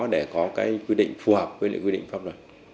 để có cái quy định phù hợp với quy định pháp luật